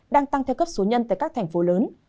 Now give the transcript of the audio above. đang tăng theo cấp số nhân tại các thành phố lớn